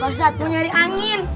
ustadz mau nyari angin